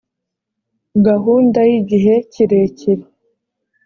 gahunda y igihe kirekire